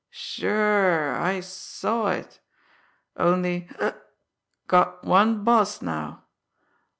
Sure, I saw it! Only hic! got one boss now.